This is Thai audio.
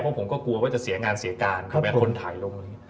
เพราะผมก็กลัวว่าจะเสียงานเสียการถูกไหมคนถ่ายลง